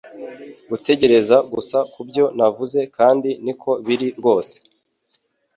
Gutekereza gusa kubyo navuze kandi niko biri rwose